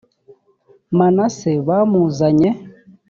manase bamuzanye